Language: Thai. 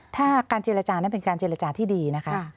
ถ้าการเจรจานั้นเป็นการเจรจาที่ดีนะคะ